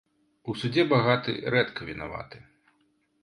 У судзе багаты рэдка вінаваты